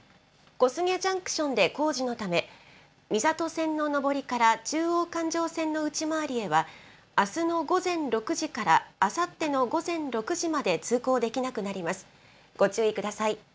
小菅ジャンクションで工事のため、三郷線の上りから中央環状線の内回りへはあすの午前６時からあさっての午前６時まで通行できなくなります。